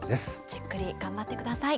じっくり頑張ってください。